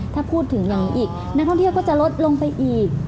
ถ้าพูดถึงอย่างนี้อีกนักท่องเที่ยวก็จะลดลงไปอีก